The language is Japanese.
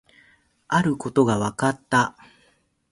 あることが分かった